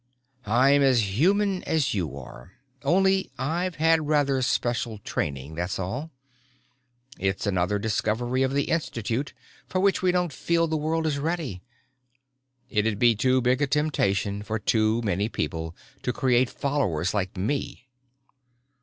"I'm as human as you are. Only I've had rather special training, that's all. It's another discovery of the Institute for which we don't feel the world is ready. It'd be too big a temptation for too many people, to create followers like me."